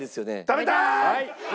食べたーい！